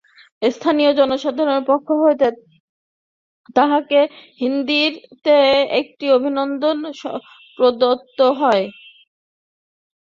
স্থানীয় জনসাধারণের পক্ষ হইতে তাঁহাকে হিন্দীতে একটি অভিনন্দন প্রদত্ত হয়।